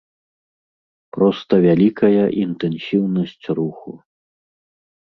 Проста вялікая інтэнсіўнасць руху.